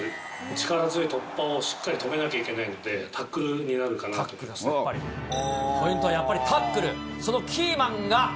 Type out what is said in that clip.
力強い突破をしっかり止めなきゃいけないので、タックルになるかポイントはやっぱりタックル。